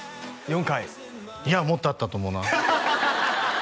４回いやもっとあったと思うなハハハハハ